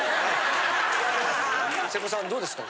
瀬古さんはどうですか？